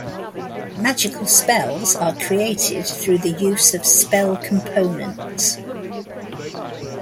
Magical spells are created through the use of spell components.